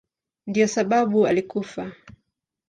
Ndiyo sababu alikufa.